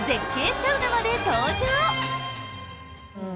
サウナまで登場！